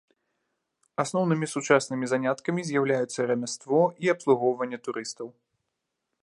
Асноўнымі сучаснымі заняткамі з'яўляюцца рамяство і абслугоўванне турыстаў.